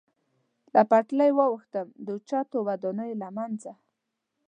له پټلۍ واوښتم، د اوچتو ودانیو له منځه.